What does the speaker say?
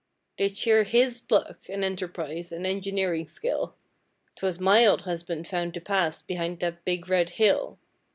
'They cheer HIS pluck and enterprise and engineering skill! 'Twas my old husband found the pass behind that big Red Hill.